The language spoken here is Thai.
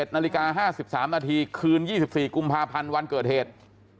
๑นาฬิกา๕๓นาทีคืน๒๔กุมภาพันธ์วันเกิดเหตุ